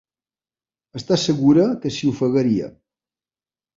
Està segura que s'hi ofegaria.